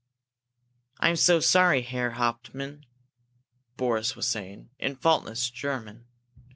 "I'm so sorry, Herr Hauptmann," Boris was saying, in faultless German.